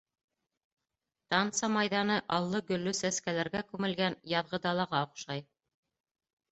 Танса майҙаны аллы-гөллө сәскәләргә күмелгән яҙғы далаға оҡшай.